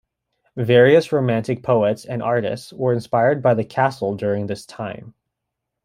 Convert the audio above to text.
Various romantic poets and artists were inspired by the castle during this time.